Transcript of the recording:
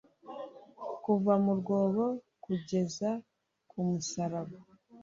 Kuva mu rwobo kugeza ku musaraba,